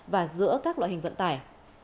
và giữa các loại hình vận tải